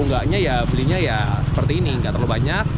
pokoknya ya belinya seperti ini nggak terlalu banyak